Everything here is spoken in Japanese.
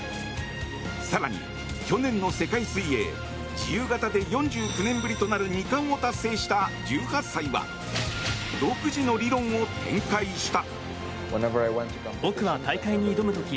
更に、去年の世界水泳自由形で４９年ぶりとなる２冠を達成した１８歳は独自の理論を展開した。